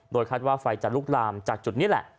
คาดว่าไฟจะลุกลามจากจุดนี้แหละ